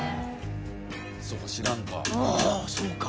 そうか知らんか。